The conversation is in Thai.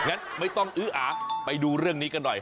งั้นไม่ต้องอื้ออาไปดูเรื่องนี้กันหน่อย